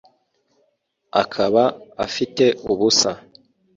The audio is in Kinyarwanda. akaba afite ubusa